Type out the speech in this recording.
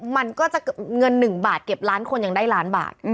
มันก็จะเงิน๑บาทเก็บล้านคนยังได้ล้านบาท